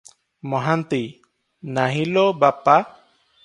ମହାନ୍ତି-ନାହିଁ ଲୋ ବାପା ।